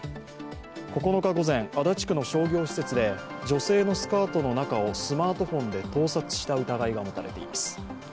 ９日午前、足立区の商業施設で女性のスカートの中をスマートフォンで盗撮した疑いが持たれています。